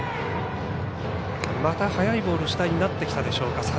また速いボール主体になってきたでしょうか。